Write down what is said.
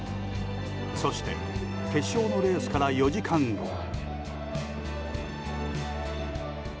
そして決勝のレースから４時間後。